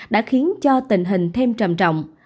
đã khiến cho tình hình thêm trầm trọng